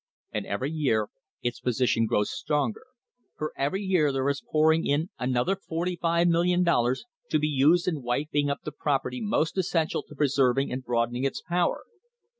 And every year its position grows stronger, for every year there is pouring in another $45,000,000 to be used in wiping up the property most essential to preserving and broadening its power.